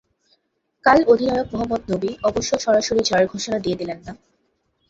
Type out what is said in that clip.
কাল অধিনায়ক মোহাম্মদ নবী অবশ্য সরাসরি জয়ের ঘোষণা দিয়ে দিলেন না।